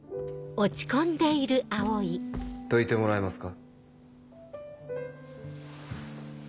どいてもらえますか？